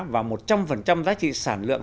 và một trăm linh giá trị sản lượng